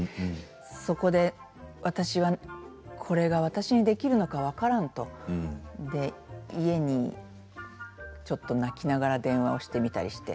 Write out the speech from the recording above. そこで私これが私にできるのか分からんと家にちょっと泣きながら電話をしてみたりして。